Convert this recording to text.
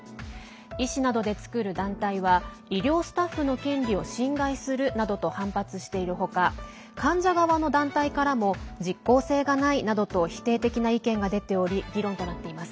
医師などで作る団体は医療スタッフの権利を侵害するなどと反発している他患者側の団体からも実効性がないなどと否定的な意見が出ており議論となっています。